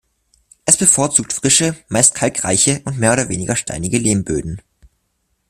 Es bevorzugt frische, meist kalkreiche und mehr oder weniger steinige Lehmböden.